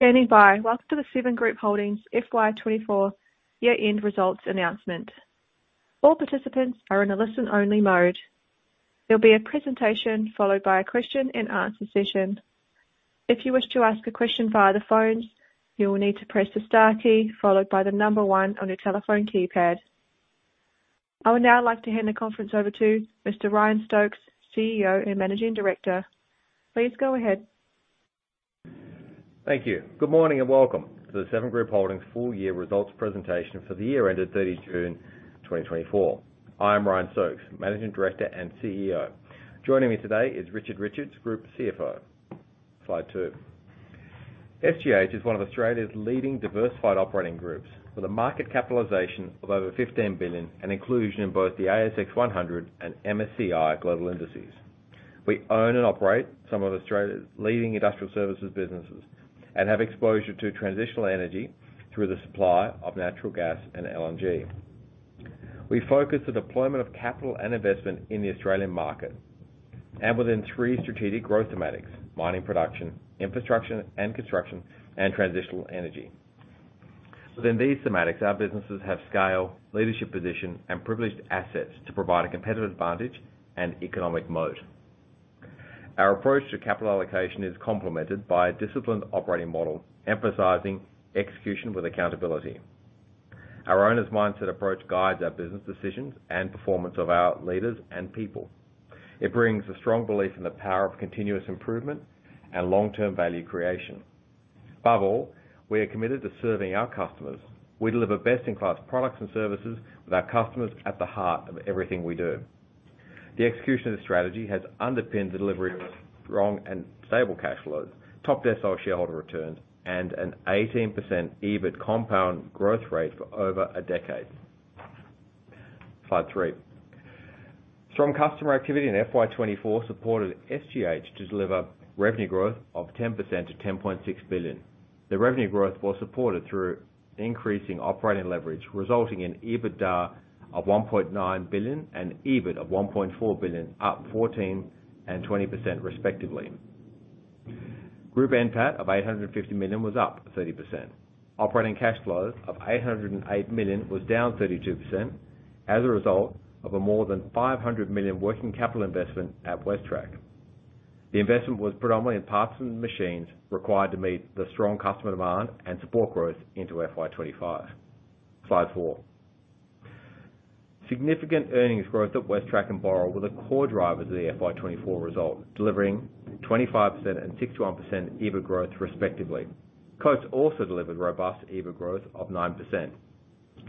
Standing by. Welcome to the Seven Group Holdings FY 2024 year-end results announcement. All participants are in a listen-only mode. There'll be a presentation followed by a question and answer session. If you wish to ask a question via the phone, you will need to press the * key, followed by the number 1 on your telephone keypad. I would now like to hand the conference over to Mr. Ryan Stokes, CEO and Managing Director. Please go ahead. Thank you. Good morning, and welcome to the Seven Group Holdings full year results presentation for the year ended 30 June 2024. I'm Ryan Stokes, Managing Director and CEO. Joining me today is Richard Richards, Group CFO. Slide two. SGH is one of Australia's leading diversified operating groups with a market capitalization of over 15 billion and inclusion in both the ASX 100 and MSCI Global Indices. We own and operate some of Australia's leading industrial services businesses and have exposure to transitional energy through the supply of natural gas and LNG. We focus the deployment of capital and investment in the Australian market and within three strategic growth thematics: mining production, infrastructure and construction, and transitional energy. Within these thematics, our businesses have scale, leadership, position, and privileged assets to provide a competitive advantage and economic moat. Our approach to capital allocation is complemented by a disciplined operating model, emphasizing execution with accountability. Our owner's mindset approach guides our business decisions and performance of our leaders and people. It brings a strong belief in the power of continuous improvement and long-term value creation. Above all, we are committed to serving our customers. We deliver best-in-class products and services with our customers at the heart of everything we do. The execution of the strategy has underpinned the delivery of a strong and stable cash flows, top decile shareholder returns, and an 18% EBIT compound growth rate for over a decade. Slide three. Strong customer activity in FY 2024 supported SGH to deliver revenue growth of 10% to 10.6 billion. The revenue growth was supported through increasing operating leverage, resulting in EBITDA of 1.9 billion and EBIT of 1.4 billion, up 14% and 20% respectively. Group NPAT of 850 million was up 30%. Operating cash flows of 808 million was down 32% as a result of a more than 500 million working capital investment at WesTrac. The investment was predominantly in parts and machines required to meet the strong customer demand and support growth into FY 2025. Slide 4. Significant earnings growth at WesTrac and Boral were the core drivers of the FY 2024 result, delivering 25% and 61% EBIT growth, respectively. Coates also delivered robust EBIT growth of 9%.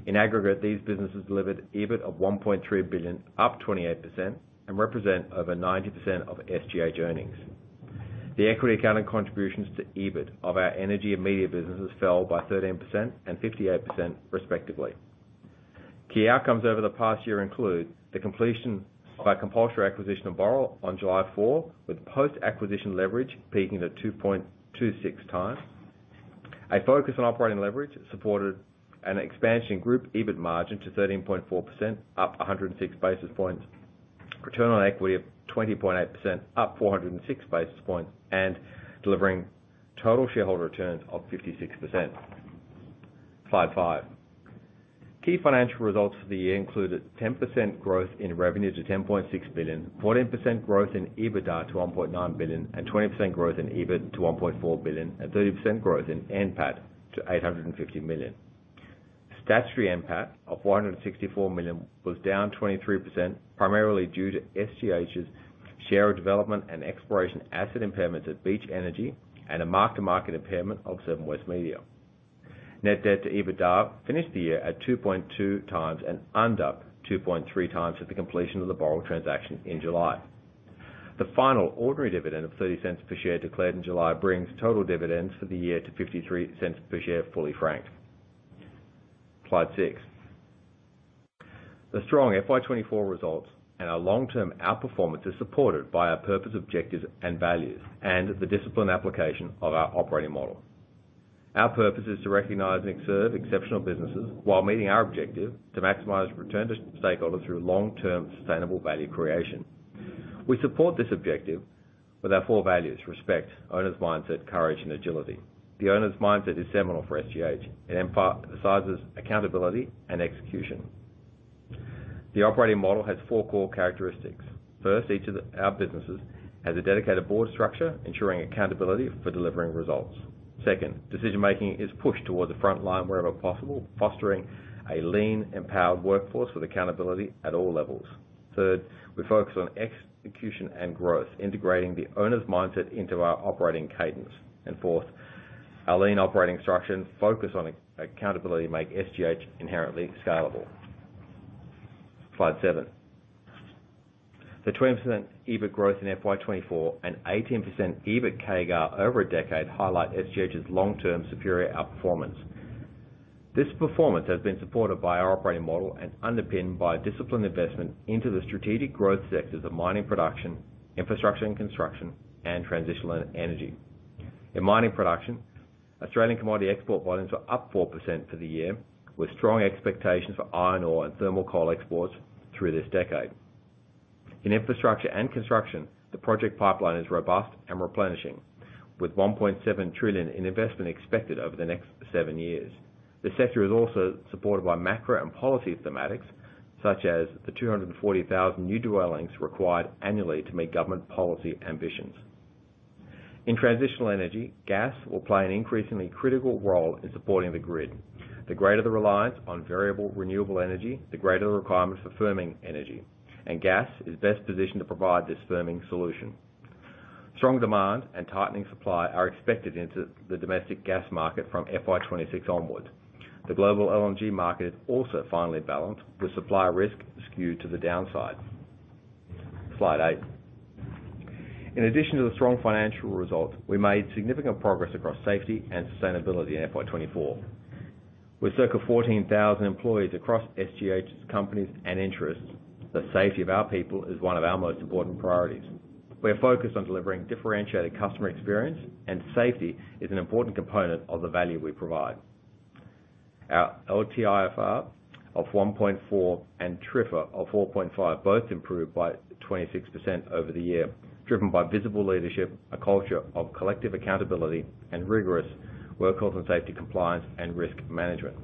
In aggregate, these businesses delivered EBIT of 1.3 billion, up 28%, and represent over 90% of SGH earnings. The equity accounting contributions to EBIT of our energy and media businesses fell by 13% and 58%, respectively. Key outcomes over the past year include the completion of our compulsory acquisition of Boral on July 4, with post-acquisition leverage peaking at 2.26x. A focus on operating leverage supported an expansion in group EBIT margin to 13.4%, up 106 basis points, return on equity of 20.8%, up 406 basis points, and delivering total shareholder returns of 56%. Slide 5. Key financial results for the year included 10% growth in revenue to 10.6 billion, 14% growth in EBITDA to 1.9 billion, and 20% growth in EBIT to 1.4 billion, and 30% growth in NPAT to 850 million. Statutory NPAT of 464 million was down 23%, primarily due to SGH's share development and exploration asset impairments at Beach Energy and a mark-to-market impairment of Seven West Media. Net debt to EBITDA finished the year at 2.2 times and under 2.3 times at the completion of the Boral transaction in July. The final ordinary dividend of 0.30 per share, declared in July, brings total dividends for the year to 0.53 per share, fully franked. Slide 6. The strong FY 2024 results and our long-term outperformance is supported by our purpose, objectives, and values, and the disciplined application of our operating model. Our purpose is to recognize and serve exceptional businesses while meeting our objective to maximize return to stakeholders through long-term sustainable value creation. We support this objective with our four values: respect, owner's mindset, courage, and agility. The owner's mindset is seminal for SGH. It emphasizes accountability and execution. The operating model has 4 core characteristics. First, each of our businesses has a dedicated board structure, ensuring accountability for delivering results. Second, decision-making is pushed toward the front line wherever possible, fostering a lean, empowered workforce with accountability at all levels. Third, we focus on execution and growth, integrating the owner's mindset into our operating cadence. And fourth, our lean operating structure focus on accountability make SGH inherently scalable. Slide 7. The 20% EBIT growth in FY 2024 and 18% EBIT CAGR over a decade highlight SGH's long-term superior outperformance. This performance has been supported by our operating model and underpinned by disciplined investment into the strategic growth sectors of mining production, infrastructure and construction, and transitional energy. In mining production, Australian commodity export volumes were up 4% for the year, with strong expectations for iron ore and thermal coal exports through this decade. In infrastructure and construction, the project pipeline is robust and replenishing, with 1.7 trillion in investment expected over the next seven years. The sector is also supported by macro and policy thematics, such as the 240,000 new dwellings required annually to meet government policy ambitions. In transitional energy, gas will play an increasingly critical role in supporting the grid. The greater the reliance on variable renewable energy, the greater the requirements for firming energy, and gas is best positioned to provide this firming solution. Strong demand and tightening supply are expected into the domestic gas market from FY 2026 onwards. The global LNG market is also finally balanced, with supply risk skewed to the downside. Slide 8. In addition to the strong financial results, we made significant progress across safety and sustainability in FY 2024. With circa 14,000 employees across SGH's companies and interests, the safety of our people is one of our most important priorities. We are focused on delivering differentiated customer experience, and safety is an important component of the value we provide. Our LTIFR of 1.4 and TRIFR of 4.5 both improved by 26% over the year, driven by visible leadership, a culture of collective accountability, and rigorous work health and safety compliance and risk management.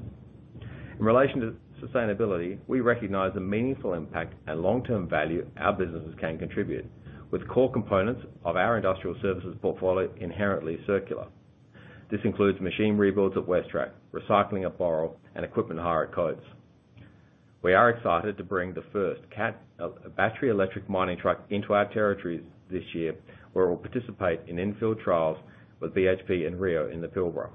In relation to sustainability, we recognize the meaningful impact and long-term value our businesses can contribute, with core components of our industrial services portfolio inherently circular. This includes machine rebuilds at WesTrac, recycling at Boral, and equipment hire at Coates. We are excited to bring the first Cat battery electric mining truck into our territories this year, where we'll participate in in-field trials with BHP and Rio in the Pilbara.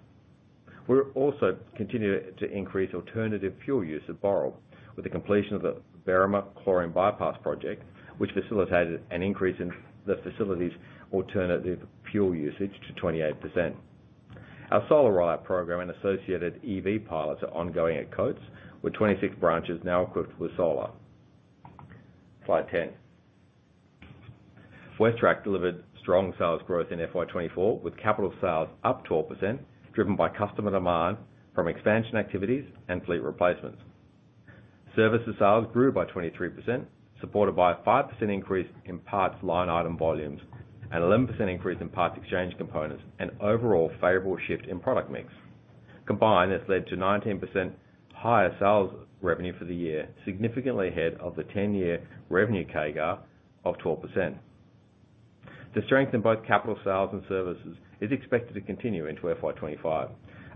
We're also continuing to increase alternative fuel use at Boral, with the completion of the Berrima Chlorine Bypass Project, which facilitated an increase in the facility's alternative fuel usage to 28%. Our solar rollout program and associated EV pilots are ongoing at Coates, with 26 branches now equipped with solar. Slide 10. WesTrac delivered strong sales growth in FY 2024, with capital sales up 12%, driven by customer demand from expansion activities and fleet replacements. Services sales grew by 23%, supported by a 5% increase in parts line item volumes, an 11% increase in parts exchange components, and overall favorable shift in product mix. Combined, this led to 19% higher sales revenue for the year, significantly ahead of the 10-year revenue CAGR of 12%. The strength in both capital sales and services is expected to continue into FY 2025.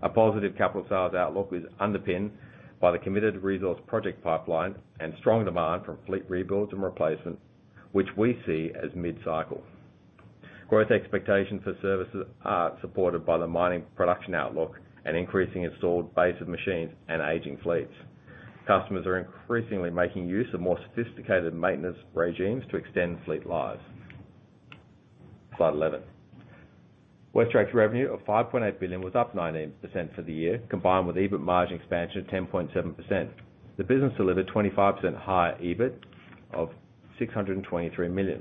A positive capital sales outlook is underpinned by the committed resource project pipeline and strong demand from fleet rebuilds and replacement, which we see as mid-cycle. Growth expectations for services are supported by the mining production outlook and increasing installed base of machines and aging fleets. Customers are increasingly making use of more sophisticated maintenance regimes to extend fleet lives. Slide 11. WesTrac's revenue of 5.8 billion was up 19% for the year, combined with EBIT margin expansion of 10.7%. The business delivered 25% higher EBIT of 623 million.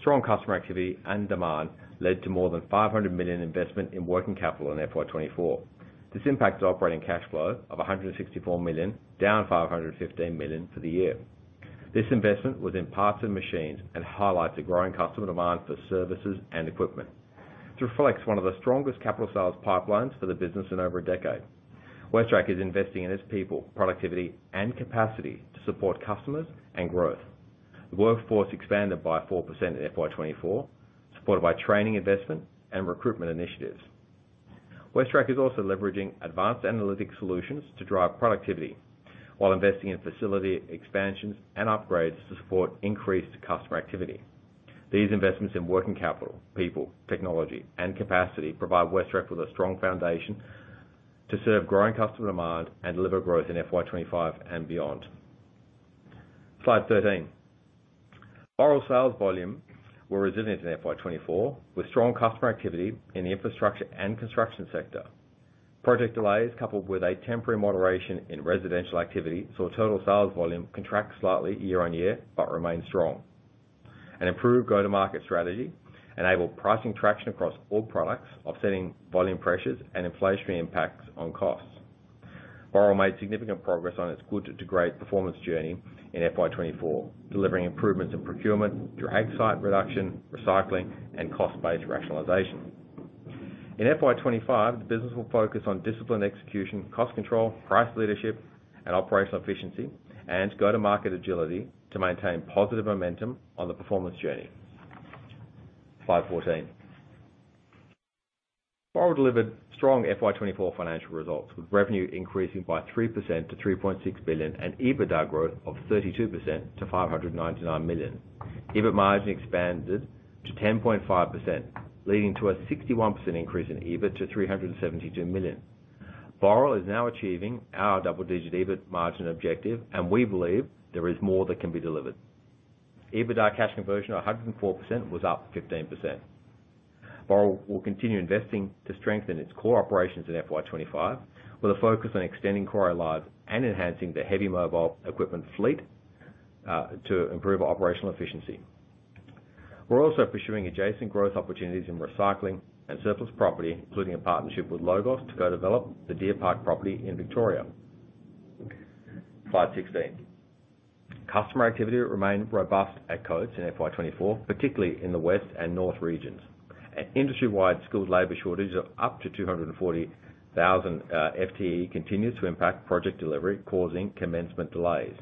Strong customer activity and demand led to more than 500 million investment in working capital in FY 2024. This impacted operating cash flow of 164 million, down 515 million for the year. This investment was in parts and machines and highlights the growing customer demand for services and equipment. This reflects one of the strongest capital sales pipelines for the business in over a decade. WesTrac is investing in its people, productivity, and capacity to support customers and growth. The workforce expanded by 4% in FY 2024, supported by training, investment, and recruitment initiatives. WesTrac is also leveraging advanced analytics solutions to drive productivity, while investing in facility expansions and upgrades to support increased customer activity. These investments in working capital, people, technology, and capacity provide WesTrac with a strong foundation to serve growing customer demand and deliver growth in FY 25 and beyond. Slide 13. Boral sales volume were resilient in FY 24, with strong customer activity in the infrastructure and construction sector. Project delays, coupled with a temporary moderation in residential activity, saw total sales volume contract slightly year-on-year, but remain strong. An improved go-to-market strategy enabled pricing traction across all products, offsetting volume pressures and inflationary impacts on costs. Boral made significant progress on its good-to-great performance journey in FY 24, delivering improvements in procurement through hag site reduction, recycling, and cost-based rationalization. In FY 25, the business will focus on disciplined execution, cost control, price leadership, and operational efficiency, and go-to-market agility to maintain positive momentum on the performance journey. Slide 14. Boral delivered strong FY 2024 financial results, with revenue increasing by 3% to 3.6 billion, and EBITDA growth of 32% to 599 million. EBIT margin expanded to 10.5%, leading to a 61% increase in EBIT to 372 million. Boral is now achieving our double-digit EBIT margin objective, and we believe there is more that can be delivered. EBITDA cash conversion of 104% was up 15%. Boral will continue investing to strengthen its core operations in FY 2025, with a focus on extending quarry lives and enhancing the heavy mobile equipment fleet to improve operational efficiency. We're also pursuing adjacent growth opportunities in recycling and surplus property, including a partnership with Logos to co-develop the Deer Park property in Viktoria. Slide 16. Customer activity remained robust at Coates in FY 2024, particularly in the west and north regions. An industry-wide skilled labor shortage of up to 240,000 FTE continues to impact project delivery, causing commencement delays.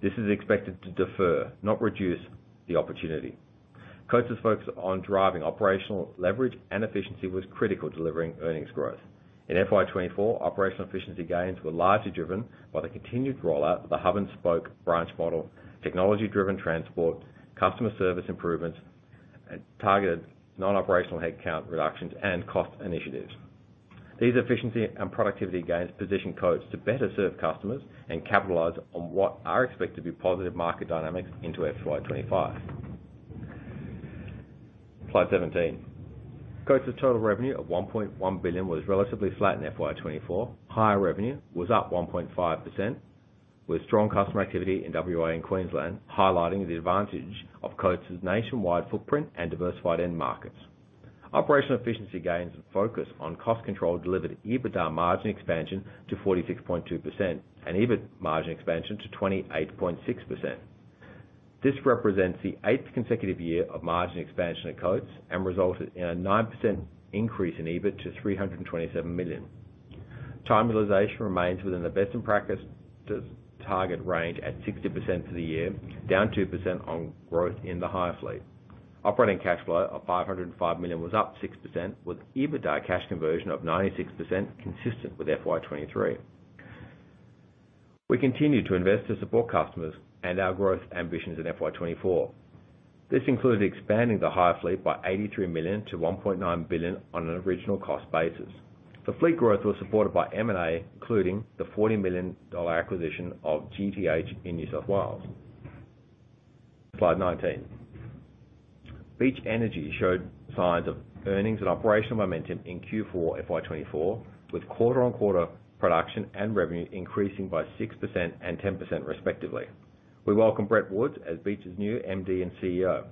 This is expected to defer, not reduce the opportunity. Coates' focus on driving operational leverage and efficiency was critical delivering earnings growth. In FY 2024, operational efficiency gains were largely driven by the continued rollout of the hub and spoke branch model, technology-driven transport, customer service improvements, and targeted non-operational headcount reductions and cost initiatives. These efficiency and productivity gains position Coates to better serve customers and capitalize on what are expected to be positive market dynamics into FY 2025. Slide 17. Coates' total revenue of 1.1 billion was relatively flat in FY 2024. Higher revenue was up 1.5%, with strong customer activity in WA and Queensland, highlighting the advantage of Coates' nationwide footprint and diversified end markets. Operational efficiency gains and focus on cost control delivered EBITDA margin expansion to 46.2% and EBIT margin expansion to 28.6%. This represents the 8th consecutive year of margin expansion at Coates and resulted in a 9% increase in EBIT to 327 million. Time utilization remains within the best practice target range at 60% for the year, down 2% on growth in the hire fleet. Operating cash flow of 505 million was up 6%, with EBITDA cash conversion of 96% consistent with FY 2023. We continued to invest to support customers and our growth ambitions in FY 2024. This included expanding the hire fleet by 83 million to 1.9 billion on an original cost basis. The fleet growth was supported by M&A, including the 40 million dollar acquisition of GTH in New South Wales. Slide 19. Beach Energy showed signs of earnings and operational momentum in Q4 FY 2024, with quarter-on-quarter production and revenue increasing by 6% and 10% respectively. We welcome Brett Woods as Beach's new MD and CEO,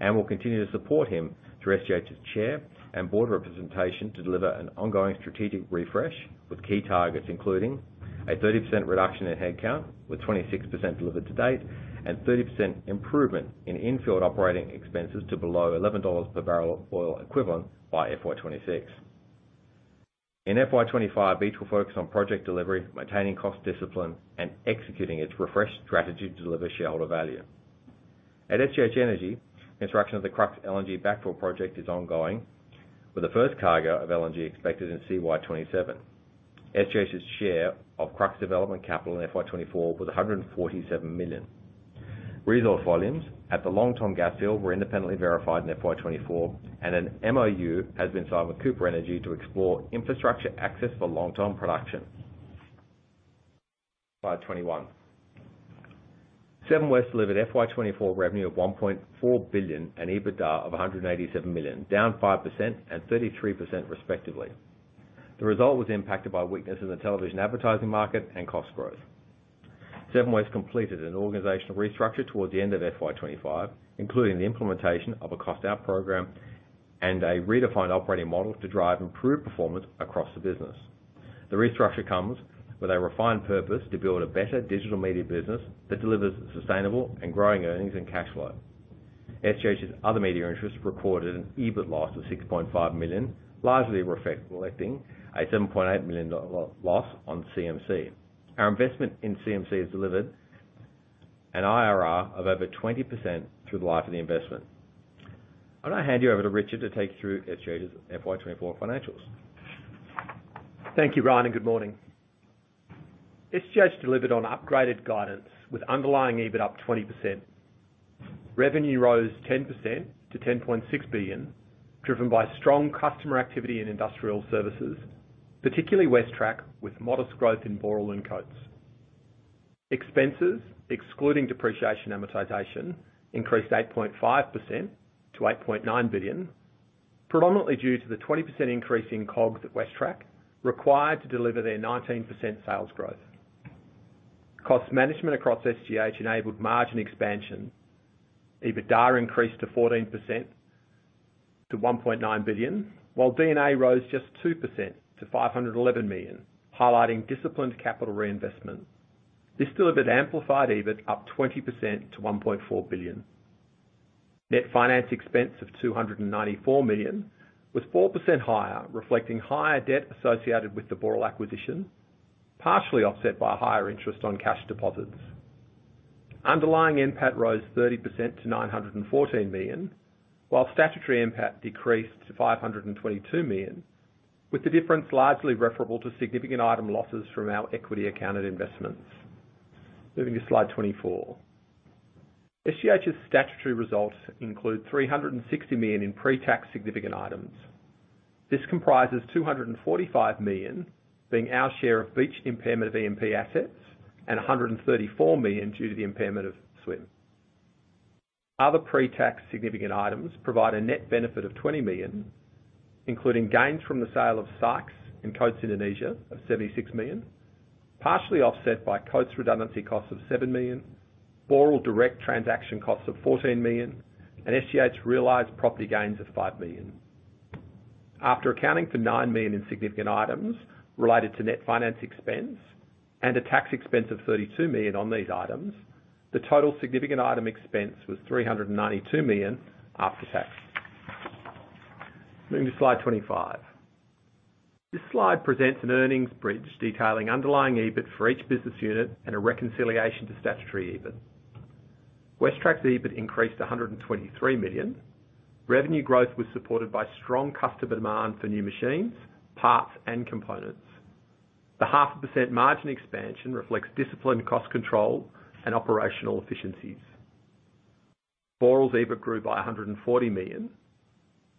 and we'll continue to support him through SGH's chair and board representation to deliver an ongoing strategic refresh with key targets, including a 30% reduction in headcount, with 26% delivered to date, and 30% improvement in infield operating expenses to below $11 per barrel of oil equivalent by FY 2026. In FY 2025, Beach will focus on project delivery, maintaining cost discipline, and executing its refreshed strategy to deliver shareholder value. At SGH Energy, construction of the Crux LNG backfill project is ongoing, with the first cargo of LNG expected in CY 2027. SGH's share of Crux development capital in FY 2024 was 147 million. Resource volumes at the Longtom Gas Field were independently verified in FY 2024, and an MOU has been signed with Cooper Energy to explore infrastructure access for Longtom production. Slide 21. Seven West delivered FY 2024 revenue of 1.4 billion and EBITDA of 187 million, down 5% and 33% respectively. The result was impacted by weakness in the television advertising market and cost growth. Seven West completed an organizational restructure towards the end of FY 25, including the implementation of a cost-out program and a redefined operating model to drive improved performance across the business. The restructure comes with a refined purpose to build a better digital media business that delivers sustainable and growing earnings and cash flow. SGH's other media interests recorded an EBIT loss of 6.5 million, largely reflecting a 7.8 million dollar loss on CMC. Our investment in CMC has delivered an IRR of over 20% through the life of the investment. I'm going to hand you over to Richard to take you through SGH's FY 24 financials. Thank you, Ryan, and good morning. SGH delivered on upgraded guidance with underlying EBIT up 20%. Revenue rose 10% to 10.6 billion, driven by strong customer activity in industrial services, particularly WesTrac, with modest growth in Boral and Coates. Expenses, excluding depreciation amortization, increased 8.5% to 8.9 billion, predominantly due to the 20% increase in COGS at WesTrac, required to deliver their 19% sales growth. Cost management across SGH enabled margin expansion. EBITDA increased 14% to 1.9 billion, while NPAT rose just 2% to 511 million, highlighting disciplined capital reinvestment. This delivered Underlying EBIT up 20% to 1.4 billion. Net finance expense of 294 million was 4% higher, reflecting higher debt associated with the Boral acquisition, partially offset by higher interest on cash deposits. Underlying NPAT rose 30% to 914 million, while statutory NPAT decreased to 522 million, with the difference largely referable to significant item losses from our equity accounted investments. Moving to slide 24. SGH's statutory results include 360 million in pre-tax significant items. This comprises 245 million, being our share of Beach impairment of E&P assets, and 134 million due to the impairment of SWM. Other pre-tax significant items provide a net benefit of 20 million, including gains from the sale of Sykes and Coates Indonesia of 76 million, partially offset by Coates redundancy costs of 7 million, Boral direct transaction costs of 14 million, and SGH realized property gains of 5 million. After accounting for 9 million in significant items related to net finance expense and a tax expense of 32 million on these items, the total significant item expense was 392 million after tax. Moving to slide 25. This slide presents an earnings bridge detailing underlying EBIT for each business unit and a reconciliation to statutory EBIT. WesTrac's EBIT increased to 123 million. Revenue growth was supported by strong customer demand for new machines, parts, and components. The 0.5% margin expansion reflects disciplined cost control and operational efficiencies. Boral's EBIT grew by 140 million.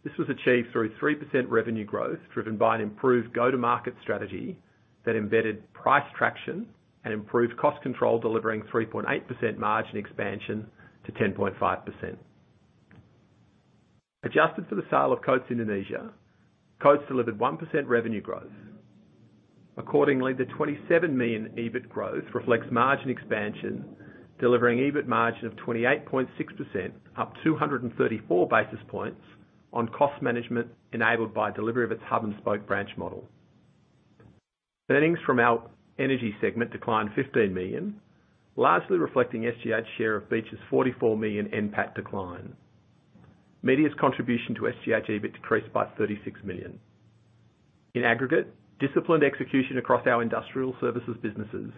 This was achieved through a 3% revenue growth, driven by an improved go-to-market strategy that embedded price traction and improved cost control, delivering 3.8% margin expansion to 10.5%. Adjusted for the sale of Coates Indonesia, Coates delivered 1% revenue growth. Accordingly, the 27 million EBIT growth reflects margin expansion, delivering EBIT margin of 28.6%, up 234 basis points on cost management, enabled by delivery of its hub-and-spoke branch model. Earnings from our energy segment declined 15 million, largely reflecting SGH's share of Beach's 44 million NPAT decline. Media's contribution to SGH EBIT decreased by 36 million. In aggregate, disciplined execution across our industrial services businesses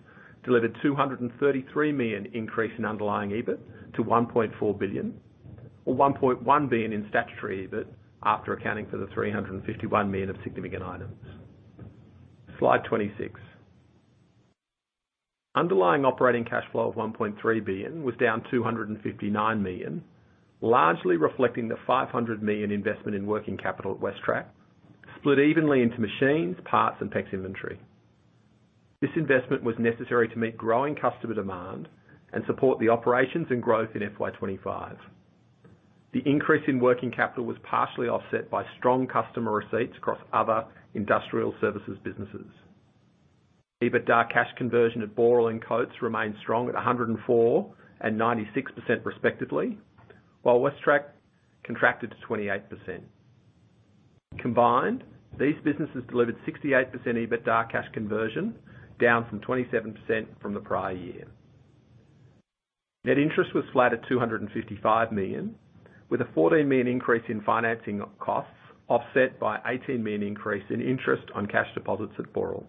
delivered 233 million increase in underlying EBIT to 1.4 billion, or 1.1 billion in statutory EBIT, after accounting for the 351 million of significant items. Slide 26. Underlying operating cash flow of 1.3 billion was down 259 million, largely reflecting the 500 million investment in working capital at WesTrac, split evenly into machines, parts, and PEX inventory. This investment was necessary to meet growing customer demand and support the operations and growth in FY 2025. The increase in working capital was partially offset by strong customer receipts across other industrial services businesses. EBITDA cash conversion at Boral and Coates remained strong at 104% and 96% respectively, while WesTrac contracted to 28%. Combined, these businesses delivered 68% EBITDA cash conversion, down from 27% from the prior year. Net interest was flat at 255 million, with a 14 million increase in financing costs, offset by eighteen million increase in interest on cash deposits at Boral.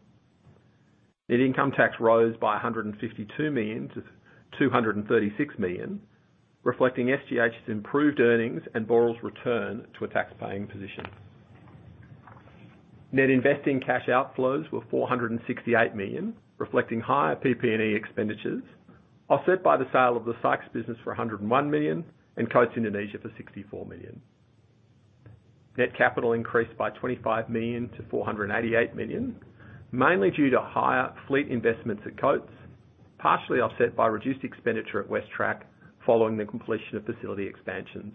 Net income tax rose by 152 million to 236 million, reflecting SGH's improved earnings and Boral's return to a tax-paying position. Net investing cash outflows were 468 million, reflecting higher PP&E expenditures, offset by the sale of the Sykes business for 101 million and Coates Indonesia for 64 million. Net capital increased by 25 million to 488 million, mainly due to higher fleet investments at Coates, partially offset by reduced expenditure at WesTrac, following the completion of facility expansions.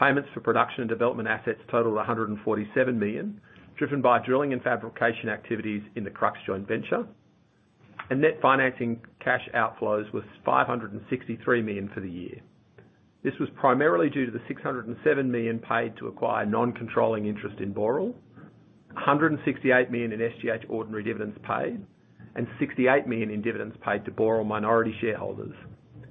Payments for production and development assets totaled 147 million, driven by drilling and fabrication activities in the Crux joint venture, and net financing cash outflows was 563 million for the year. This was primarily due to the 607 million paid to acquire non-controlling interest in Boral, 168 million in SGH ordinary dividends paid, and 68 million in dividends paid to Boral minority shareholders,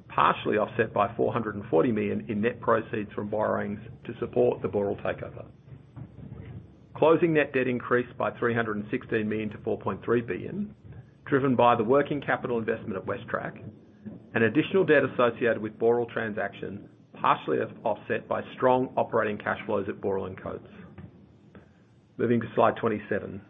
partially offset by 440 million in net proceeds from borrowings to support the Boral takeover. Closing net debt increased by 316 million to 4.3 billion, driven by the working capital investment at WesTrac and additional debt associated with Boral transaction, partially offset by strong operating cash flows at Boral and Coates. Moving to Slide 27.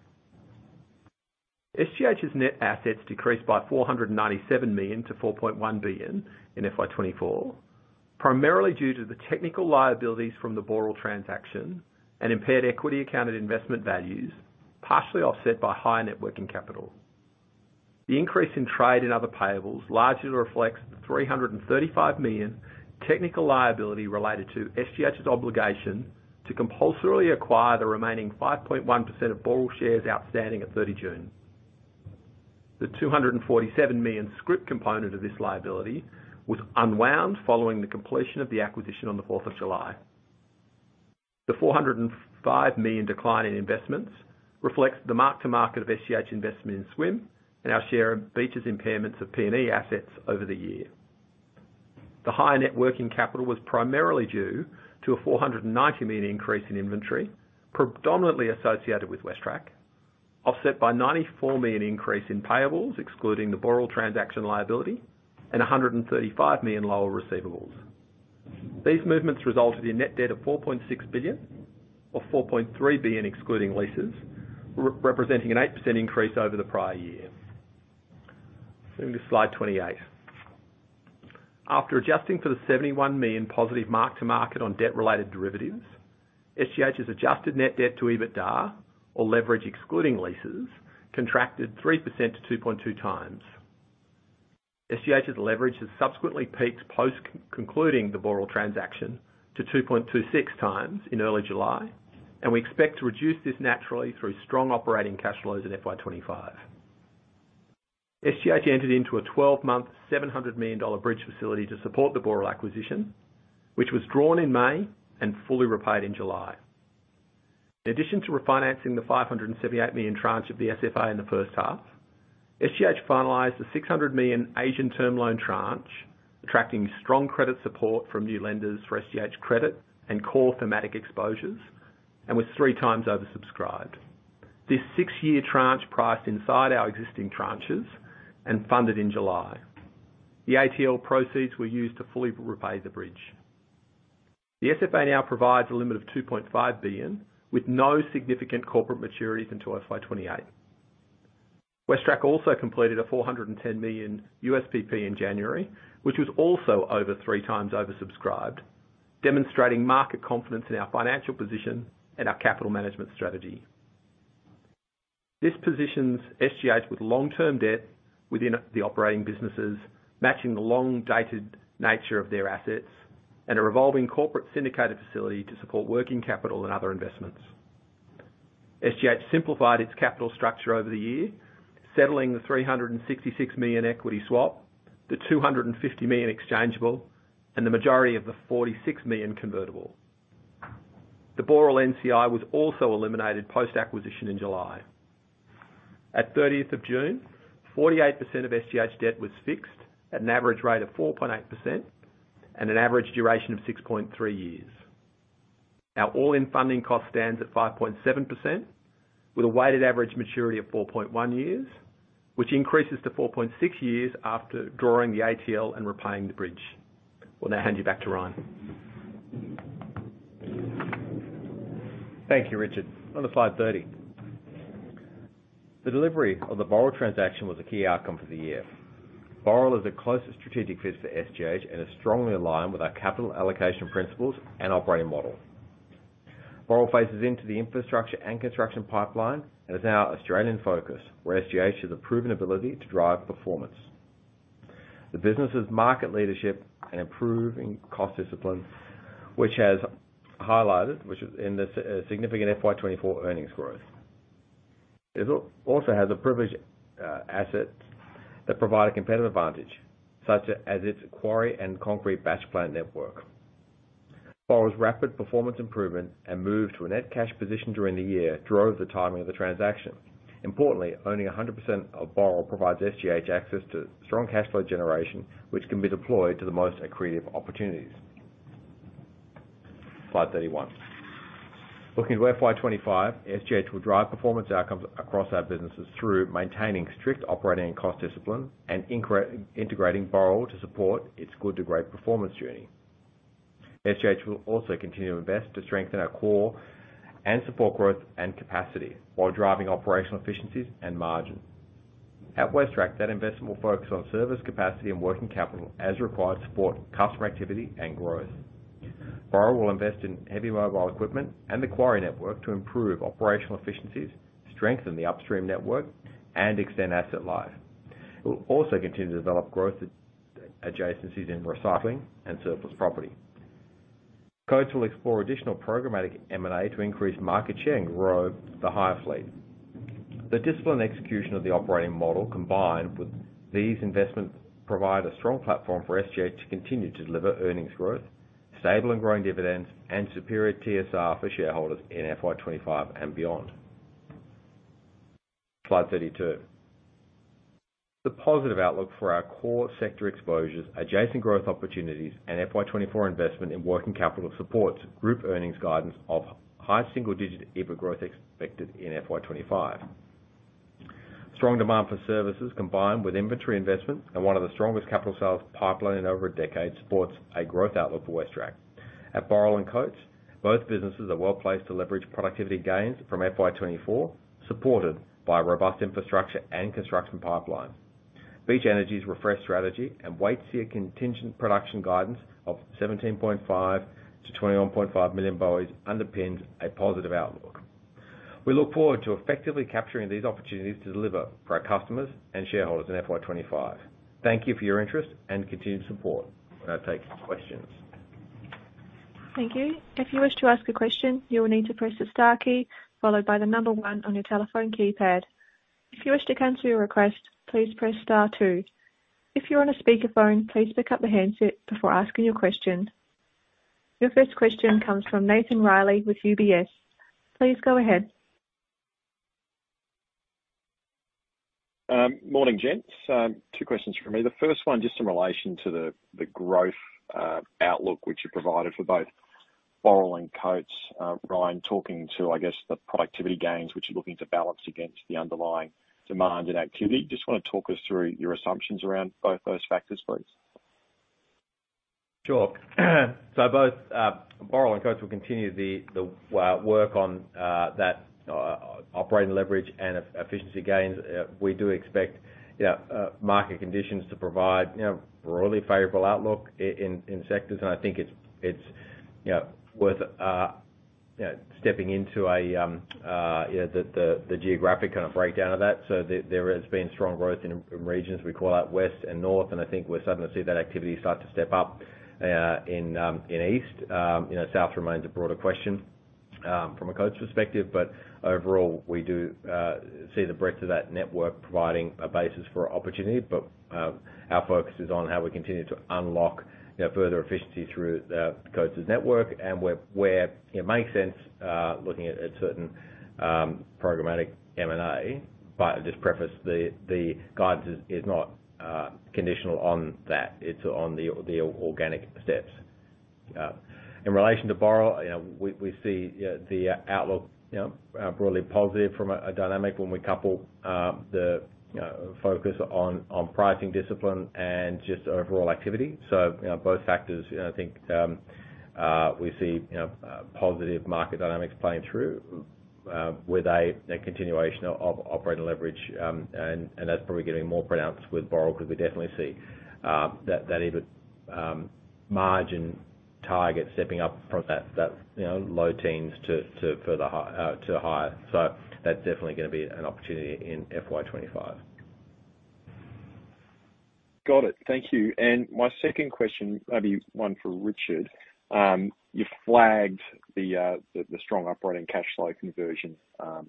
SGH's net assets decreased by AUD 497 million to AUD 4.1 billion in FY 2024, primarily due to the technical liabilities from the Boral transaction and impaired equity accounted investment values, partially offset by higher net working capital. The increase in trade and other payables largely reflects the 335 million technical liability related to SGH's obligation to compulsorily acquire the remaining 5.1% of Boral shares outstanding at June 30. The 247 million scrip component of this liability was unwound following the completion of the acquisition on the fourth of July. The 405 million decline in investments reflects the mark to market of SGH investment in SWM and our share of Beach's impairments of PP&E assets over the year. The higher net working capital was primarily due to a 490 million increase in inventory, predominantly associated with WesTrac, offset by 94 million increase in payables, excluding the Boral transaction liability, and a 135 million lower receivables. These movements resulted in net debt of 4.6 billion or 4.3 billion, excluding leases, representing an 8% increase over the prior year. Moving to Slide 28. After adjusting for the 71 million positive mark to market on debt-related derivatives, SGH's adjusted net debt to EBITDA, or leverage excluding leases, contracted 3% to 2.2 times. SGH's leverage has subsequently peaked post concluding the Boral transaction to 2.26 times in early July, and we expect to reduce this naturally through strong operating cash flows in FY 2025. SGH entered into a 12-month, 700 million dollar bridge facility to support the Boral acquisition, which was drawn in May and fully repaid in July. In addition to refinancing the 578 million tranche of the SFA in the first half, SGH finalized the 600 million Asian Term Loan tranche, attracting strong credit support from new lenders for SGH credit and core thematic exposures, and was three times oversubscribed. This six-year tranche priced inside our existing tranches and funded in July. The ATL proceeds were used to fully repay the bridge. The SFA now provides a limit of 2.5 billion, with no significant corporate maturities until FY 2028. WesTrac also completed a $410 million USPP in January, which was also over three times oversubscribed, demonstrating market confidence in our financial position and our capital management strategy. This positions SGH with long-term debt within the operating businesses, matching the long-dated nature of their assets and a revolving corporate syndicated facility to support working capital and other investments. SGH simplified its capital structure over the year, settling the 366 million equity swap, the 250 million exchangeable, and the majority of the 46 million convertible. The Boral NCI was also eliminated post-acquisition in July. At 30th June, 48% of SGH debt was fixed at an average rate of 4.8% and an average duration of 6.3 years. Our all-in funding cost stands at 5.7%, with a weighted average maturity of 4.1 years, which increases to 4.6 years after drawing the ATL and repaying the bridge. We'll now hand you back to Ryan. Thank you, Richard. On to slide 30. The delivery of the Boral transaction was a key outcome for the year. Boral is the closest strategic fit for SGH and is strongly aligned with our capital allocation principles and operating model. Boral phases into the infrastructure and construction pipeline and is now Australian focused, where SGH has a proven ability to drive performance. The business' market leadership and improving cost discipline, which has highlighted significant FY 2024 earnings growth. It also has privileged assets that provide a competitive advantage, such as its quarry and concrete batch plant network. Boral's rapid performance improvement and move to a net cash position during the year drove the timing of the transaction. Importantly, owning 100% of Boral provides SGH access to strong cash flow generation, which can be deployed to the most accretive opportunities. Slide 31. Looking to FY 25, SGH will drive performance outcomes across our businesses through maintaining strict operating and cost discipline and integrating Boral to support its good to great performance journey. SGH will also continue to invest to strengthen our core and support growth and capacity while driving operational efficiencies and margin. At WesTrac, that investment will focus on service capacity and working capital as required to support customer activity and growth. Boral will invest in heavy mobile equipment and the quarry network to improve operational efficiencies, strengthen the upstream network, and extend asset life. It will also continue to develop growth adjacencies in recycling and surplus property. Coates will explore additional programmatic M&A to increase market share and grow the hire fleet. The disciplined execution of the operating model, combined with these investments, provide a strong platform for SGH to continue to deliver earnings growth, stable and growing dividends, and superior TSR for shareholders in FY 2025 and beyond. Slide 32. The positive outlook for our core sector exposures, adjacent growth opportunities, and FY 2024 investment in working capital supports group earnings guidance of high single digit EBIT growth expected in FY 2025. Strong demand for services, combined with inventory investment and one of the strongest capital sales pipeline in over a decade, supports a growth outlook for WesTrac. At Boral and Coates, both businesses are well placed to leverage productivity gains from FY 2024, supported by a robust infrastructure and construction pipeline. Beach Energy's refresh strategy and Waitsia contingent production guidance of 17.5-21.5 million BOEs underpins a positive outlook. We look forward to effectively capturing these opportunities to deliver for our customers and shareholders in FY 25. Thank you for your interest and continued support. I'll now take questions. Thank you. If you wish to ask a question, you will need to press the star key followed by the number one on your telephone keypad. If you wish to cancel your request, please press star two. If you're on a speakerphone, please pick up the handset before asking your question. Your first question comes from Nathan Riley with UBS. Please go ahead. Morning, gents. Two questions from me. The first one, just in relation to the growth outlook, which you provided for both Boral and Coates. Ryan, talking to, I guess, the productivity gains, which you're looking to balance against the underlying demand and activity. Just want to talk us through your assumptions around both those factors, please? Sure. So both, Boral and Coates will continue the, the, work on, that, operating leverage and efficiency gains. We do expect, you know, market conditions to provide, you know, broadly favorable outlook in, in sectors. And I think it's, it's, you know, worth, stepping into a, you know, the, the, the geographic kind of breakdown of that. So there, there has been strong growth in, in regions we call out West and North, and I think we're starting to see that activity start to step up, in, in East. You know, South remains a broader question, from a Coates perspective, but overall, we do, see the breadth of that network providing a basis for opportunity. But, our focus is on how we continue to unlock, you know, further efficiency through the Coates network and where it makes sense, looking at certain programmatic M&A. But I just preface the guidance is not conditional on that. It's on the organic steps. In relation to Boral, you know, we see, you know, the outlook, you know, broadly positive from a dynamic when we couple the, you know, focus on pricing discipline and just overall activity. So, you know, both factors, you know, I think, we see, you know, positive market dynamics playing through, with a continuation of operating leverage. And that's probably getting more pronounced with Boral, 'cause we definitely see that EBIT margin target stepping up from that, you know, low teens to further high to higher. So that's definitely gonna be an opportunity in FY 25. Got it. Thank you. And my second question, maybe one for Richard. You flagged the strong operating cash flow conversion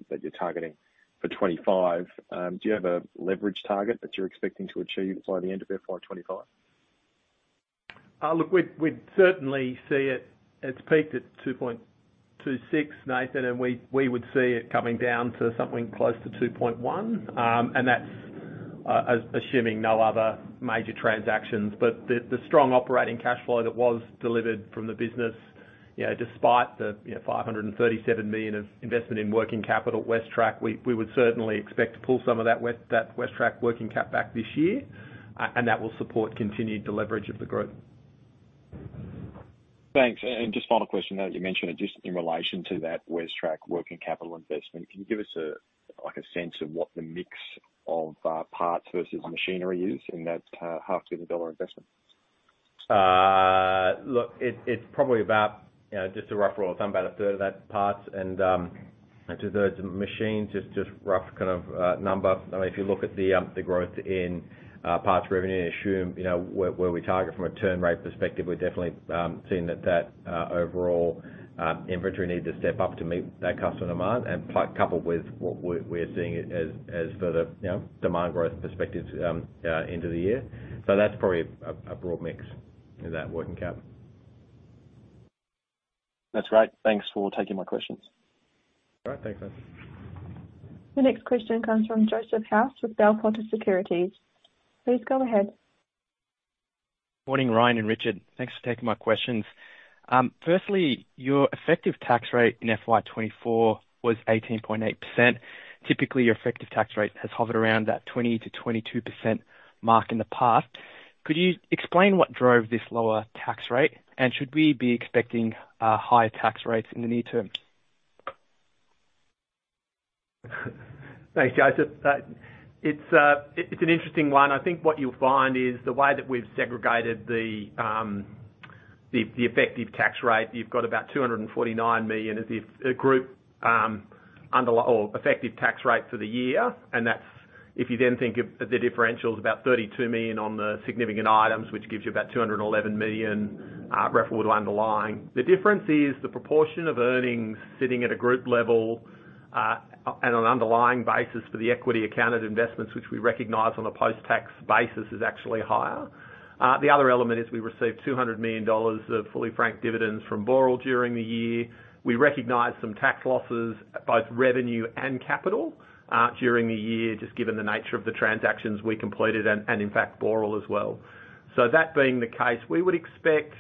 that you're targeting for 25. Do you have a leverage target that you're expecting to achieve by the end of FY 25? Look, we'd certainly see it. It's peaked at 2.26, Nathan, and we would see it coming down to something close to 2.1. And that's as assuming no other major transactions. But the strong operating cash flow that was delivered from the business, you know, despite the you know, 537 million of investment in working capital WesTrac, we would certainly expect to pull some of that that WesTrac working cap back this year, and that will support continued deleverage of the group. Thanks. And just final question, now that you mentioned it, just in relation to that WesTrac working capital investment, can you give us a, like a sense of what the mix of parts versus machinery is in that 500 million dollar investment? Look, it's probably about, you know, just a rough rule of thumb, about a third of that parts and two thirds of machines, just, just rough kind of number. I mean, if you look at the growth in parts revenue and assume, you know, where we target from a turn rate perspective, we're definitely seeing that overall inventory need to step up to meet that customer demand, and coupled with what we're seeing as further, you know, demand growth perspective, end of the year. So that's probably a broad mix in that working cap. That's great. Thanks for taking my questions. All right. Thanks, Nathan. The next question comes from Joseph House with Bell Potter Securities. Please go ahead. Morning, Ryan and Richard. Thanks for taking my questions. Firstly, your effective tax rate in FY 2024 was 18.8%. Typically, your effective tax rate has hovered around that 20%-22% mark in the past. Could you explain what drove this lower tax rate, and should we be expecting higher tax rates in the near term? Thanks, Joseph. It's an interesting one. I think what you'll find is the way that we've segregated the effective tax rate. You've got about 249 million as if group underlying effective tax rate for the year, and that's if you then think of the differential is about 32 million on the significant items, which gives you about 211 million relating to underlying. The difference is the proportion of earnings sitting at a group level at an underlying basis for the equity accounted investments, which we recognize on a post-tax basis, is actually higher. The other element is we received 200 million dollars of fully franked dividends from Boral during the year. We recognized some tax losses, both revenue and capital, during the year, just given the nature of the transactions we completed and, and in fact, Boral as well. So that being the case, we would expect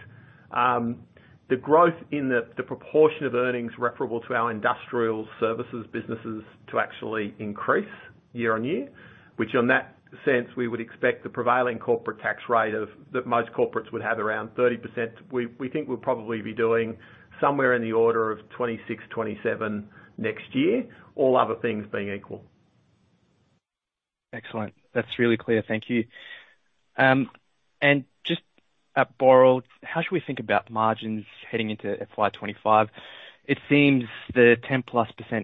the growth in the, the proportion of earnings referable to our industrial services businesses to actually increase year-on-year, which in that sense, we would expect the prevailing corporate tax rate of... that most corporates would have around 30%. We, we think we'll probably be doing somewhere in the order of 26%-27% next year, all other things being equal. Excellent. That's really clear. Thank you. And just at Boral, how should we think about margins heading into FY 25? It seems the 10%+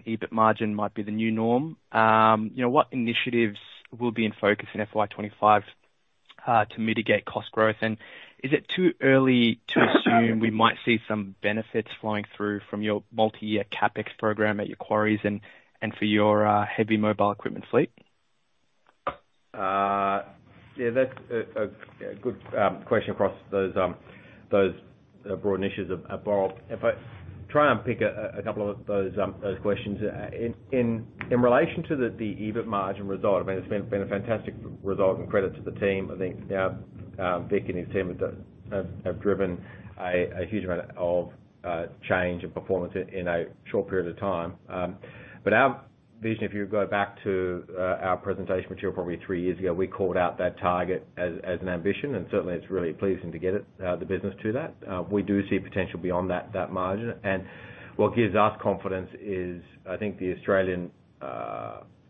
EBIT margin might be the new norm. You know, what initiatives will be in focus in FY 25 to mitigate cost growth? And is it too early to assume we might see some benefits flowing through from your multi-year CapEx program at your quarries and for your heavy mobile equipment fleet? Yeah, that's a good question across those broad initiatives of Boral. If I try and pick a couple of those questions in relation to the EBIT margin result, I mean, it's been a fantastic result and credit to the team. I think Vik and his team have driven a huge amount of change and performance in a short period of time. But our vision, if you go back to our presentation material probably three years ago, we called out that target as an ambition, and certainly it's really pleasing to get the business to that. We do see potential beyond that margin. And what gives us confidence is, I think the Australian...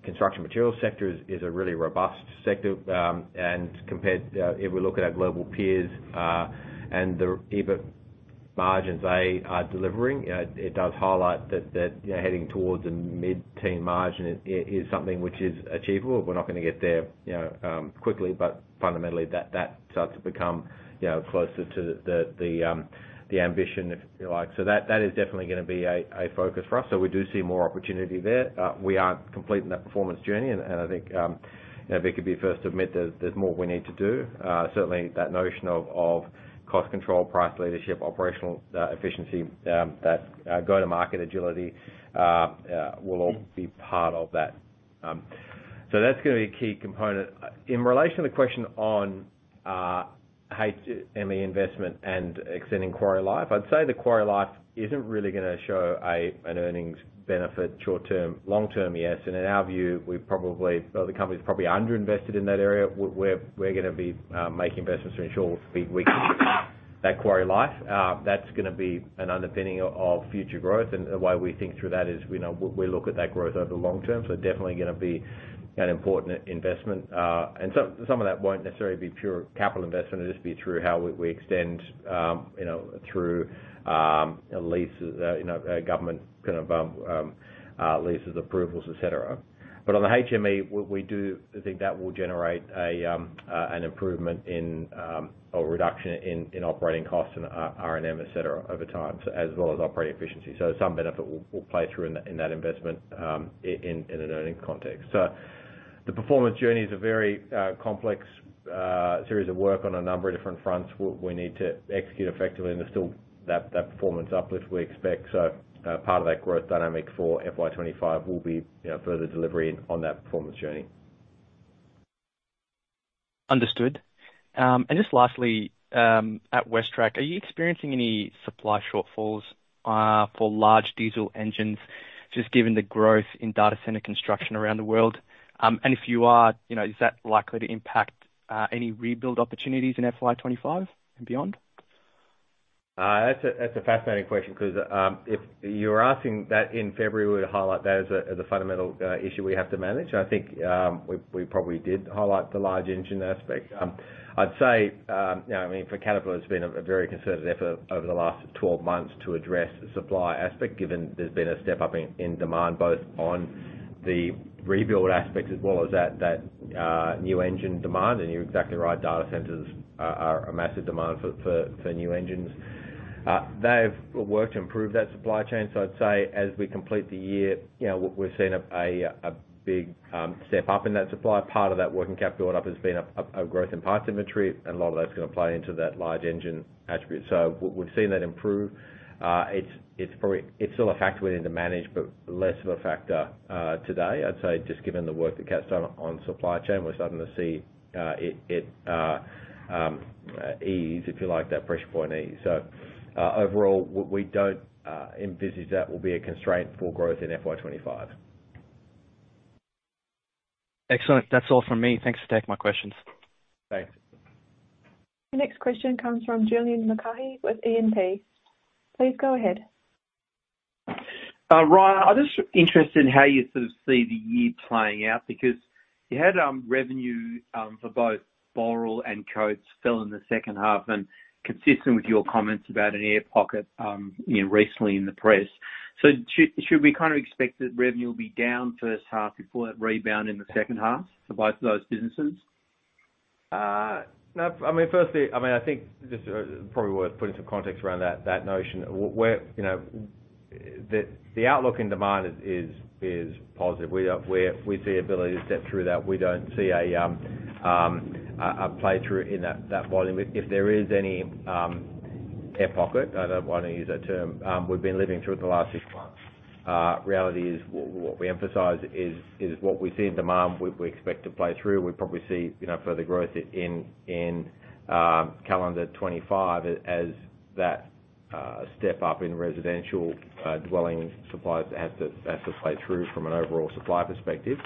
Construction materials sector is a really robust sector. And compared, if we look at our global peers, and the EBIT margins they are delivering, it does highlight that, you know, heading towards a mid-teen margin is something which is achievable. We're not gonna get there, you know, quickly, but fundamentally, that starts to become, you know, closer to the, the ambition, if you like. So that is definitely gonna be a focus for us. So we do see more opportunity there. We aren't complete in that performance journey, and I think, you know, Vik could be first to admit there's more we need to do. Certainly that notion of cost control, price leadership, operational efficiency, that go to market agility will all be part of that. So that's gonna be a key component. In relation to the question on HME investment and extending quarry life, I'd say the quarry life isn't really gonna show an earnings benefit short term. Long term, yes, and in our view, we probably... Well, the company's probably underinvested in that area, we're gonna be making investments to ensure we that quarry life. That's gonna be an underpinning of future growth, and the way we think through that is, you know, we look at that growth over the long term. So definitely gonna be an important investment. And some of that won't necessarily be pure capital investment, it'll just be through how we extend, you know, through leases, you know, government kind of leases, approvals, et cetera. But on the HME, we do think that will generate a, an improvement in, or reduction in, in operating costs and R&M, et cetera, over time, so as well as operating efficiency. So some benefit will play through in, in that investment, in an earnings context. So the performance journey is a very, complex, series of work on a number of different fronts. We need to execute effectively, and there's still that performance uplift we expect. So, part of that growth dynamic for FY 25 will be, you know, further delivery on that performance journey. Understood. And just lastly, at WesTrac, are you experiencing any supply shortfalls, for large diesel engines, just given the growth in data center construction around the world? And if you are, you know, is that likely to impact, any rebuild opportunities in FY 25 and beyond? That's a fascinating question because if you were asking that in February, we would highlight that as a fundamental issue we have to manage. I think we probably did highlight the large engine aspect. I'd say, you know, I mean, for Caterpillar, it's been a very concerted effort over the last 12 months to address the supply aspect, given there's been a step up in demand, both on the rebuild aspect as well as that new engine demand. And you're exactly right, data centers are a massive demand for new engines. They've worked to improve that supply chain, so I'd say as we complete the year, you know, we've seen a big step up in that supply. Part of that working cap build up has been a growth in parts inventory, and a lot of that's gonna play into that large engine attribute. So we've seen that improve. It's probably... It's still a factor we need to manage, but less of a factor today. I'd say just given the work that Cat's done on supply chain, we're starting to see it ease, if you like, that pressure point ease. So overall, we don't envisage that will be a constraint for growth in FY 25. Excellent. That's all from me. Thanks for taking my questions. Thanks. The next question comes from Julian Mulcahy with E&P. Please go ahead. Ryan, I'm just interested in how you sort of see the year playing out? Because you had revenue for both Boral and Coates fell in the second half, and consistent with your comments about an air pocket, you know, recently in the press. So should, should we kind of expect that revenue will be down first half before that rebound in the second half for both of those businesses? No, I mean, firstly, I mean, I think just probably worth putting some context around that, that notion. We're, you know, the outlook in demand is positive. We don't – we see ability to step through that. We don't see a play through in that volume. If there is any air pocket, I don't want to use that term, we've been living through it the last six months. Reality is, what we emphasize is what we see in demand, we expect to play through. We probably see, you know, further growth in calendar 2025 as that step up in residential dwelling supplies has to play through from an overall supply perspective.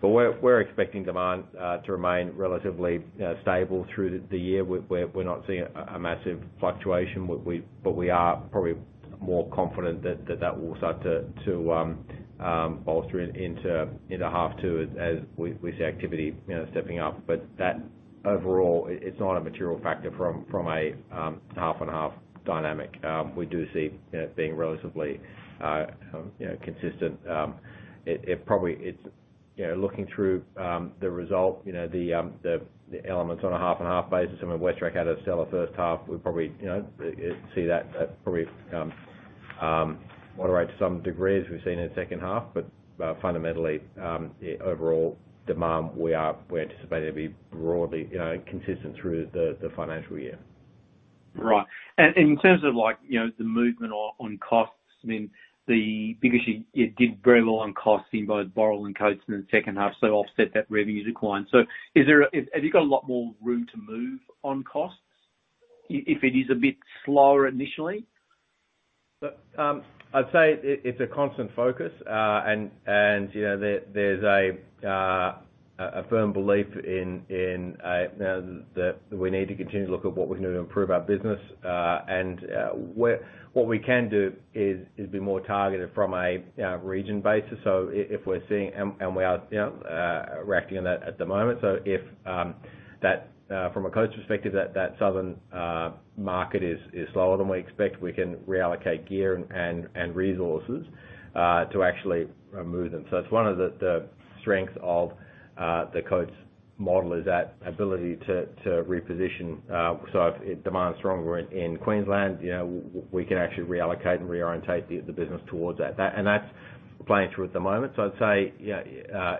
But we're expecting demand to remain relatively stable through the year. We're not seeing a massive fluctuation, but we are probably more confident that that will start to bolster into half two, as we see activity, you know, stepping up. But that overall, it's not a material factor from a half and half dynamic. We do see, you know, being relatively, you know, consistent. It probably it's... You know, looking through the result, you know, the elements on a half-and-half basis, I mean, WesTrac had a stellar first half. We probably, you know, see that that probably moderate to some degree as we've seen in the second half, but fundamentally, overall demand, we're anticipating to be broadly, you know, consistent through the financial year. Right. And in terms of like, you know, the movement on costs, I mean, because you, you did very well on costs in both Boral and Coates in the second half, so offset that revenue decline. So is there a... Have you got a lot more room to move on costs, if it is a bit slower initially? Look, I'd say it's a constant focus, and, you know, a firm belief in now that we need to continue to look at what we can do to improve our business, and where—what we can do is be more targeted from a region basis. So if we're seeing, and we are, you know, we're acting on that at the moment. So if from a cost perspective, that southern market is slower than we expect, we can reallocate gear and resources to actually move them. So it's one of the strengths of the Coates model, is that ability to reposition, so if demand is stronger in Queensland, you know, we can actually reallocate and reorientate the business towards that. That and that's playing through at the moment. So I'd say, yeah,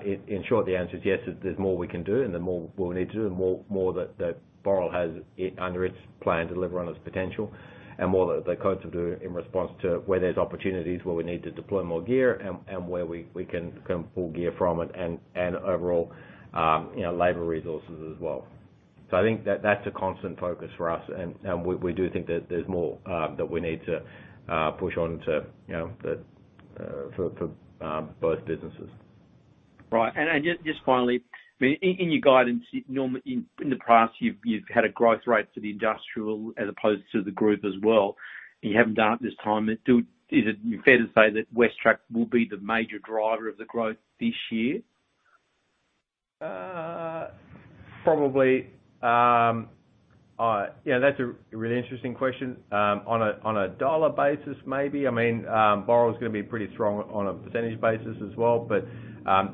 in short, the answer is yes, there's more we can do, and the more we need to do, and more that Boral has it under its plan to deliver on its potential, and more that the Coates will do in response to where there's opportunities, where we need to deploy more gear, and where we can come pull gear from it and overall, you know, labor resources as well. So I think that that's a constant focus for us, and we do think that there's more that we need to push on to, you know, for both businesses. Right. And just finally, in your guidance, normally in the past, you've had a growth rate for the industrial as opposed to the group as well, and you haven't done it this time. Is it fair to say that WesTrac will be the major driver of the growth this year? Probably, yeah, that's a really interesting question. On a dollar basis, maybe. I mean, Boral is gonna be pretty strong on a percentage basis as well. But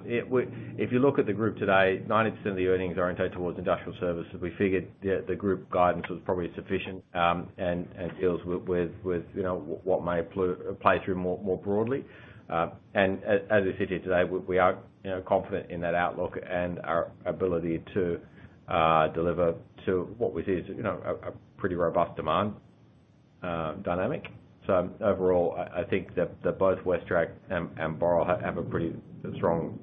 if you look at the group today, 90% of the earnings are oriented towards industrial services. We figured the group guidance was probably sufficient, and deals with, you know, what may play through more broadly. And as I sit here today, we are, you know, confident in that outlook and our ability to deliver to what we see is, you know, a pretty robust demand dynamic. So overall, I think that both WesTrac and Boral have a pretty strong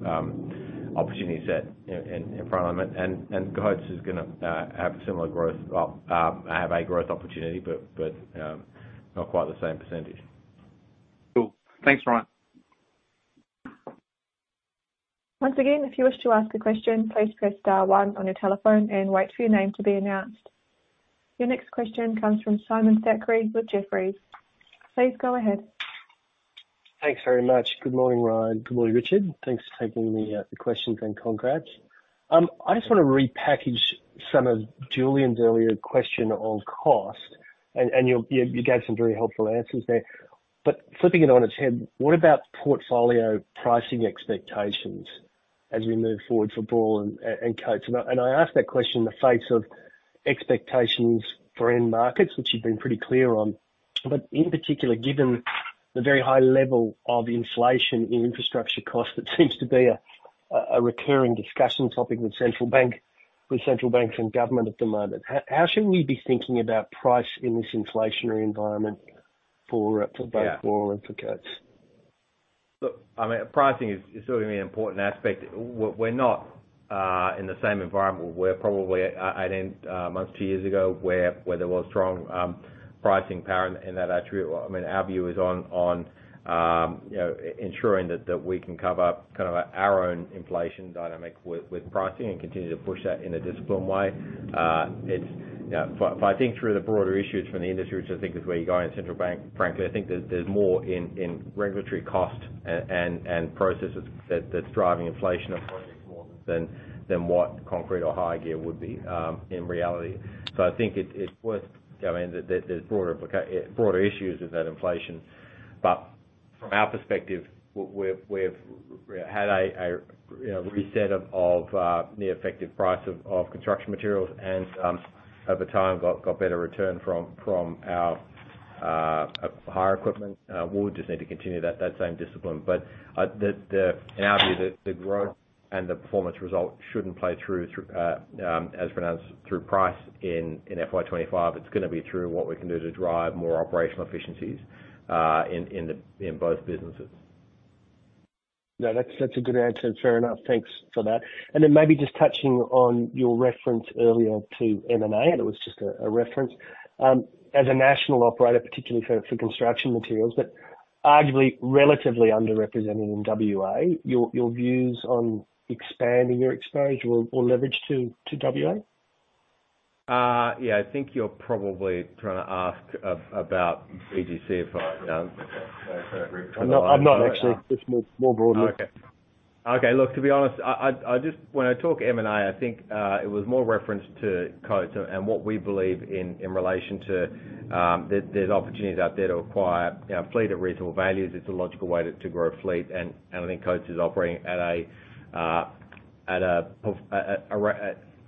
opportunity set in front of them, and Coates is gonna have similar growth, a growth opportunity, but not quite the same percentage. Cool. Thanks, Ryan. Once again, if you wish to ask a question, please press * one on your telephone and wait for your name to be announced. Your next question comes from Simon Thackray with Jefferies. Please go ahead. Thanks very much. Good morning, Ryan. Good morning, Richard. Thanks for taking the questions and congrats. I just want to repackage some of Julian's earlier question on cost, and you gave some very helpful answers there. But flipping it on its head, what about portfolio pricing expectations as we move forward for Boral and Coates? And I ask that question in the face of expectations for end markets, which you've been pretty clear on. But in particular, given the very high level of inflation in infrastructure costs, that seems to be a recurring discussion topic with central banks and government at the moment. How should we be thinking about price in this inflationary environment for both? Yeah... Boral and for Coates? Look, I mean, pricing is certainly an important aspect. We're not in the same environment we were probably, I think, months, two years ago, where there was strong pricing power in that attribute. I mean, our view is on, you know, ensuring that we can cover kind of our own inflation dynamic with pricing and continue to push that in a disciplined way. But if I think through the broader issues from the industry, which I think is where you're going with central bank, frankly, I think there's more in regulatory costs and processes that's driving inflation accordingly more than what concrete or hire gear would be in reality. So I think it's worth commenting that there's broader issues with that inflation. But from our perspective, we've, we've had a, a, you know, reset of, of, the effective price of, of construction materials and, over time, got, got better return from, from our, hire equipment. We'll just need to continue that, that same discipline. But, In our view, the, the growth and the performance result shouldn't play through, through, as pronounced through price in, in FY 25. It's gonna be through what we can do to drive more operational efficiencies, in, in the, in both businesses. Yeah, that's a good answer. Fair enough. Thanks for that. And then maybe just touching on your reference earlier to M&A, and it was just a reference. As a national operator, particularly for construction materials, but arguably relatively underrepresented in WA, your views on expanding your exposure or leverage to WA? Yeah, I think you're probably trying to ask about BGC if I've done- I'm not actually. Just more broadly. Okay. Okay, look, to be honest, I just when I talk M&A, I think it was more reference to Coates and what we believe in relation to, there's opportunities out there to acquire, you know, fleet at reasonable values. It's a logical way to grow a fleet, and I think Coates is operating at a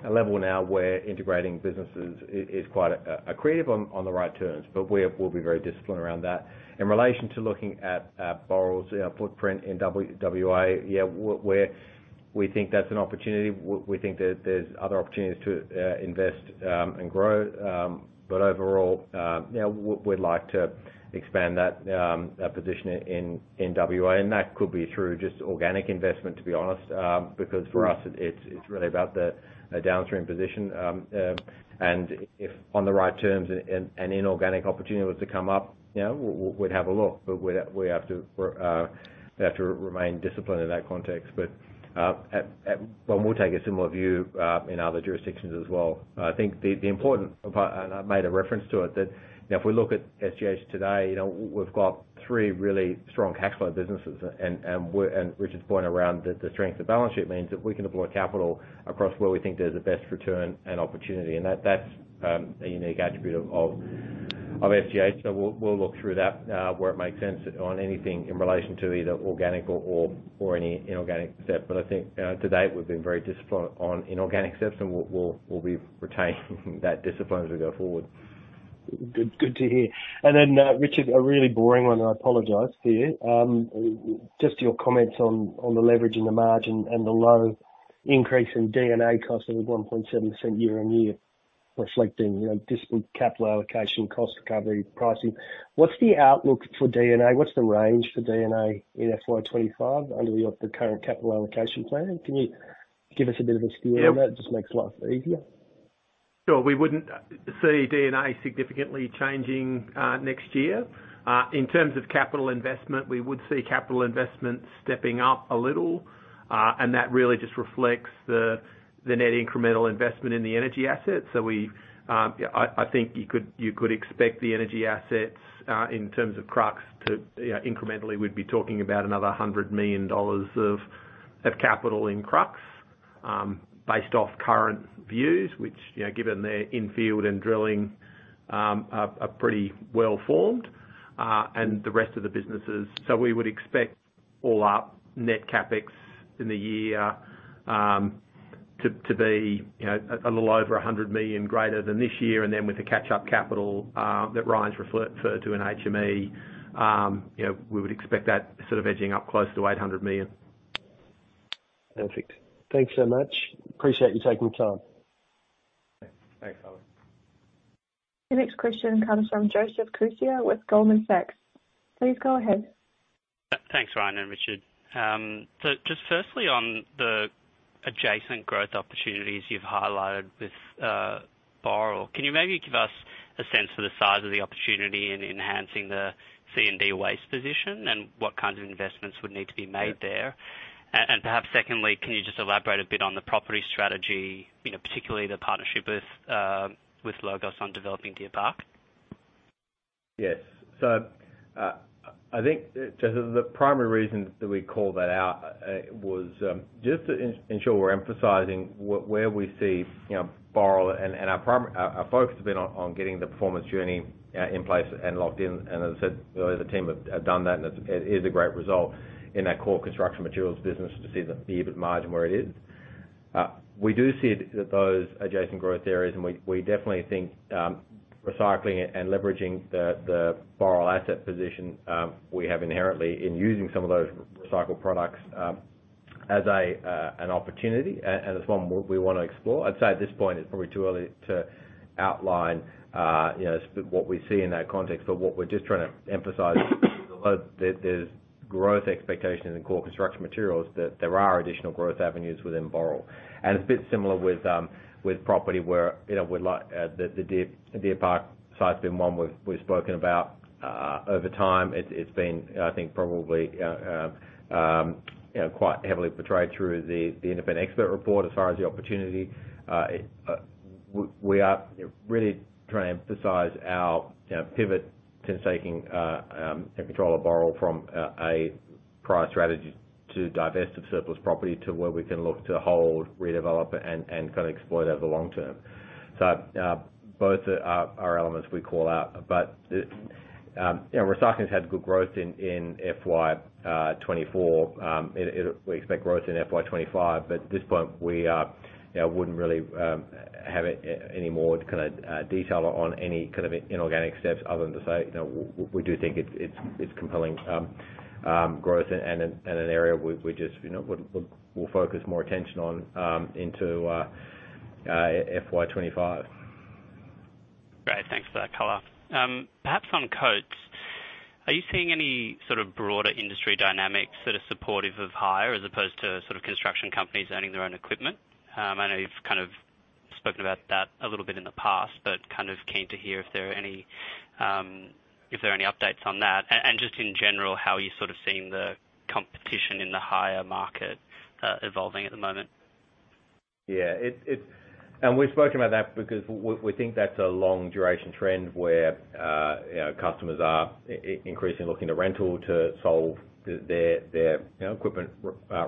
level now where integrating businesses is quite accretive on the right terms. But we'll be very disciplined around that. In relation to looking at Boral's, you know, footprint in WA, yeah, we think that's an opportunity. We think there's other opportunities to invest and grow. But overall, you know, we'd like to expand that position in WA, and that could be through just organic investment, to be honest. Because for us, it's really about the downstream position. And if on the right terms and inorganic opportunity was to come up, you know, we'd have a look. But we have to remain disciplined in that context. But well, we'll take a similar view in other jurisdictions as well. I think the important part, and I made a reference to it, that you know, if we look at SGH today, you know, we've got three really strong cash flow businesses and Richard's point around the strength of balance sheet means that we can deploy capital... across where we think there's the best return and opportunity, and that, that's a unique attribute of SGH. So we'll look through that where it makes sense on anything in relation to either organic or any inorganic step. But I think, to date, we've been very disciplined on inorganic steps, and we'll be retaining that discipline as we go forward. Good, good to hear. And then, Richard, a really boring one, I apologize to you. Just your comments on the leverage and the margin and the low increase in D&A costs of 1.7% year-on-year, reflecting, you know, disciplined capital allocation, cost recovery, pricing. What's the outlook for D&A? What's the range for D&A in FY 2025 under the current capital allocation plan? Can you give us a bit of a steer on that? Yeah. Just makes life easier. Sure. We wouldn't see D&A significantly changing next year. In terms of capital investment, we would see capital investment stepping up a little, and that really just reflects the net incremental investment in the energy assets. Yeah, I think you could expect the energy assets in terms of Crux to, you know, incrementally, we'd be talking about another 100 million dollars of capital in Crux, based off current views, which, you know, given their in-field and drilling, are pretty well-formed, and the rest of the businesses. So we would expect all our net CapEx in the year to be, you know, a little over 100 million greater than this year, and then with the catch-up capital that Ryan's referred to in HME, you know, we would expect that sort of edging up close to 800 million. Perfect. Thanks so much. Appreciate you taking the time. Thanks, Oliver. Your next question comes from Joseph Cuccia with Goldman Sachs. Please go ahead. Thanks, Ryan and Richard. Just firstly, on the adjacent growth opportunities you've highlighted with Boral, can you maybe give us a sense for the size of the opportunity in enhancing the C&D waste position, and what kinds of investments would need to be made there? Yeah. Perhaps secondly, can you just elaborate a bit on the property strategy, you know, particularly the partnership with LOGOS on developing Deer Park? Yes. So, I think, Joseph, the primary reason that we called that out was just to ensure we're emphasizing where we see, you know, Boral and our primary. Our focus has been on getting the performance journey in place and locked in. And as I said earlier, the team have done that, and it is a great result in that core construction materials business to see the EBIT margin where it is. We do see those adjacent growth areas, and we definitely think recycling and leveraging the Boral asset position we have inherently in using some of those recycled products as an opportunity, and it's one we want to explore. I'd say at this point, it's probably too early to outline, you know, what we see in that context. But what we're just trying to emphasize, that there's growth expectations in core construction materials, that there are additional growth avenues within Boral. And it's a bit similar with property where, you know, we'd like the Deer Park site's been one we've spoken about over time. It's been, I think, probably, you know, quite heavily portrayed through the independent expert report as far as the opportunity. We are really trying to emphasize our, you know, pivot to taking control of Boral from a prior strategy to divest of surplus property, to where we can look to hold, redevelop, and kind of exploit over the long term. So, both are elements we call out. But you know, recycling's had good growth in FY 2024. We expect growth in FY 25, but at this point, you know, we wouldn't really have any more kind of detail on any kind of inorganic steps other than to say, you know, we do think it's compelling growth and an area we just, you know, we'll focus more attention on into FY 25. Great. Thanks for that color. Perhaps on Coates, are you seeing any sort of broader industry dynamics that are supportive of hire as opposed to sort of construction companies owning their own equipment? I know you've kind of spoken about that a little bit in the past, but kind of keen to hear if there are any, if there are any updates on that. And just in general, how are you sort of seeing the competition in the hire market evolving at the moment? Yeah, it's. And we've spoken about that because we think that's a long duration trend where, our customers are increasingly looking to rental to solve the, their, their, you know, equipment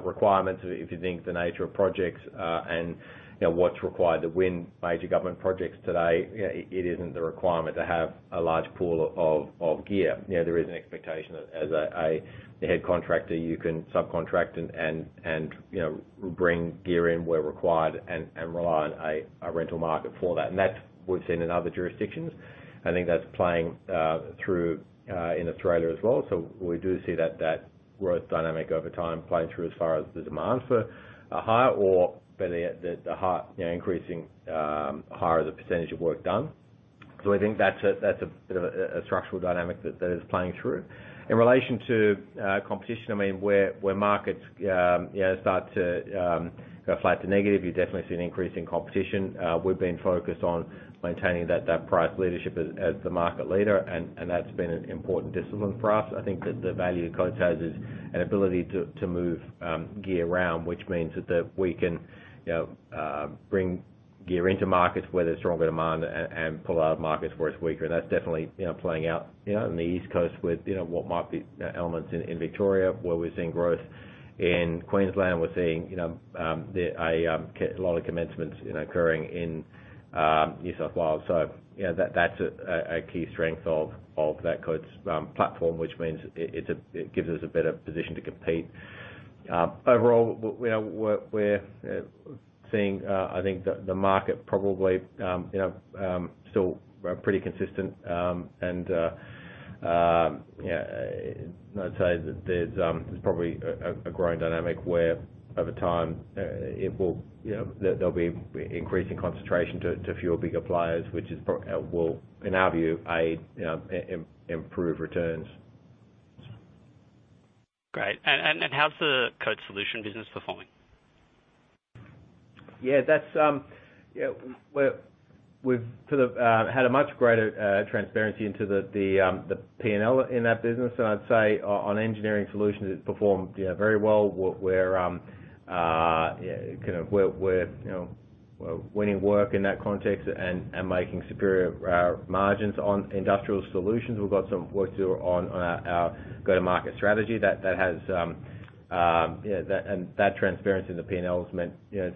requirements. If you think the nature of projects, and, you know, what's required to win major government projects today, you know, it isn't the requirement to have a large pool of gear. You know, there is an expectation as the head contractor, you can subcontract and, you know, bring gear in where required and rely on a rental market for that. And that's we've seen in other jurisdictions. I think that's playing through in Australia as well. So we do see that, that growth dynamic over time playing through as far as the demand for a hire or whether the, the you know, increasing, hire the percentage of work done. So I think that's a, that's a bit of a, a structural dynamic that, that is playing through. In relation to, competition, I mean, where, where markets, you know, start to, go flat to negative, you definitely see an increase in competition. We've been focused on maintaining that, that price leadership as, as the market leader and, and that's been an important discipline for us. I think that the value of Coates has is an ability to, to move, gear around, which means that, that we can, you know, bring gear into markets where there's stronger demand and, and pull out of markets where it's weaker. That's definitely, you know, playing out, you know, in the East Coast with, you know, what might be elements in Viktoria, where we're seeing growth. In Queensland, we're seeing, you know, a lot of commencements, you know, occurring in New South Wales. So, you know, that's a key strength of Coates's platform, which means it gives us a better position to compete. Overall, we are seeing, I think the market probably, you know, still pretty consistent. Yeah, I'd say that there's probably a growing dynamic where over time it will, you know, there'll be increasing concentration to fewer bigger players, which will, in our view, aid improve returns. Great. And how's the Coates solution business performing? Yeah, that's yeah, we're—we've sort of had a much greater transparency into the, the, the P&L in that business. And I'd say on engineering solutions, it's performed, you know, very well. We're, yeah, kind of, we're winning work in that context and making superior margins on industrial solutions. We've got some work to do on our go-to-market strategy that has, yeah, and that transparency in the P&L has meant, you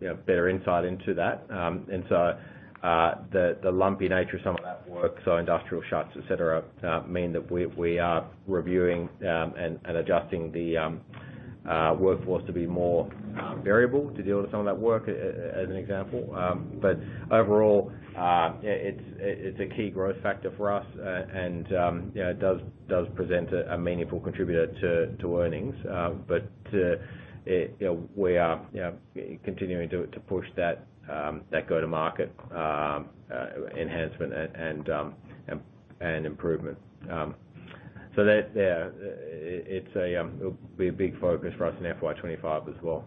know, better insight into that. And so, the lumpy nature of some of that work, so industrial shuts, et cetera, mean that we are reviewing and adjusting the workforce to be more variable to deal with some of that work, as an example. But overall, yeah, it's a key growth factor for us. And you know, it does present a meaningful contributor to earnings. But you know, we are you know continuing to push that go-to-market enhancement and improvement. So that yeah, it'll be a big focus for us in FY 25 as well.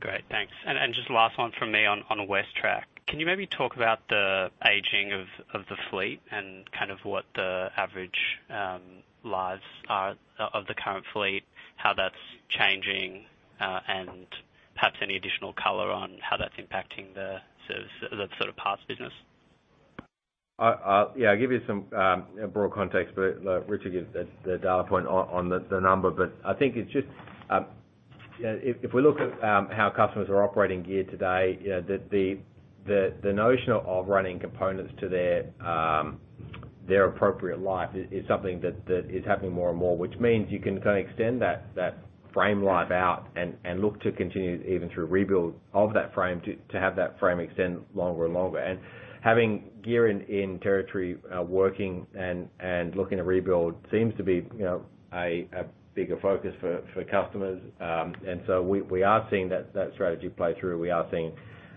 Great, thanks. And just last one from me on WesTrac. Can you maybe talk about the aging of the fleet and kind of what the average lives are of the current fleet, how that's changing, and perhaps any additional color on how that's impacting the service, the sort of parts business? Yeah, I'll give you some broad context, but Richard gives the data point on the number. But I think it's just you know, if we look at how customers are operating gear today, you know, the notion of running components to their appropriate life is something that is happening more and more, which means you can kind of extend that frame life out and look to continue even through rebuild of that frame to have that frame extend longer and longer. And having gear in territory working and looking to rebuild seems to be you know, a bigger focus for customers. And so we are seeing that strategy play through. We are seeing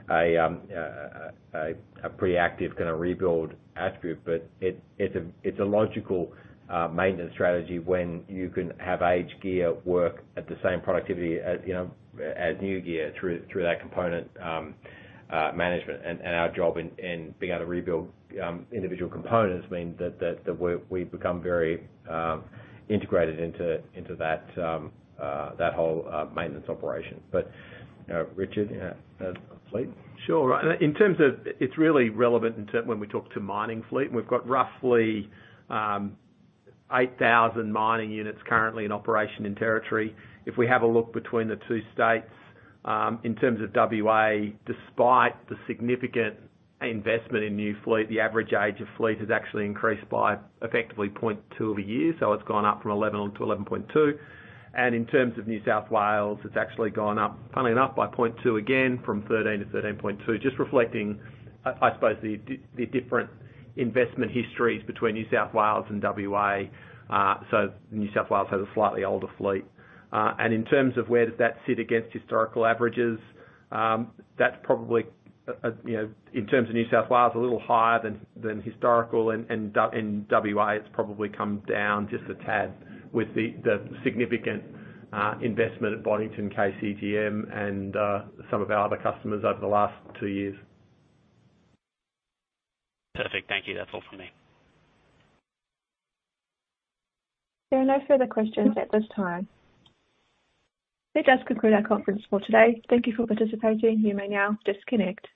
a pretty active kind of rebuild attribute. But it's a logical maintenance strategy when you can have aged gear work at the same productivity as, you know, as new gear through that component management. And our job in being able to rebuild individual components mean that we've become very integrated into that whole maintenance operation. But Richard, yeah, fleet? Sure. In terms of... It's really relevant when we talk to mining fleet. We've got roughly 8,000 mining units currently in operation in territory. If we have a look between the two states, in terms of WA, despite the significant investment in new fleet, the average age of fleet has actually increased by effectively 0.2 of a year, so it's gone up from 11 to 11.2. And in terms of New South Wales, it's actually gone up, funnily enough, by 0.2 again, from 13 to 13.2, just reflecting, I suppose, the different investment histories between New South Wales and WA. So New South Wales has a slightly older fleet. and in terms of where does that sit against historical averages, that's probably, you know, in terms of New South Wales, a little higher than historical. And in WA, it's probably come down just a tad with the significant investment at Boddington, KCGM, and some of our other customers over the last two years. Perfect. Thank you. That's all from me. There are no further questions at this time. That does conclude our conference call today. Thank you for participating. You may now disconnect.